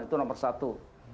itu nomor satu